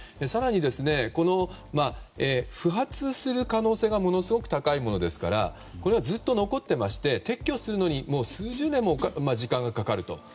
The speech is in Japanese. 更に、不発する可能性がものすごく高いものですからずっと残っていて撤去するのに数十年も時間がかかると。